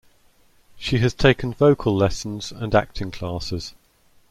She has taken vocal lessons and acting classes.